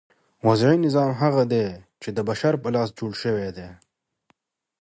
وضعي نظام هغه دئ، چي د بشر په لاس جوړ سوی دئ.